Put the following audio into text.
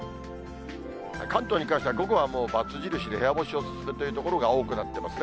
関東に関しては午後はもう、バツ印で部屋干しお勧めという所が多くなってますね。